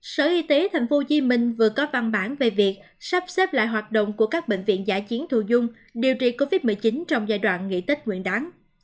sở y tế tp hcm vừa có văn bản về việc sắp xếp lại hoạt động của các bệnh viện giá chiến thu dung điều trị covid một mươi chín trong giai đoạn nghỉ tích nguyện đáng